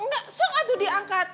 enggak sok aduh diangkat